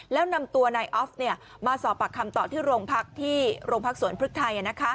แล้วนำตัวนายออฟมาสอบปากคำต่อที่โรงพักที่โรงพักสวนพริกไทย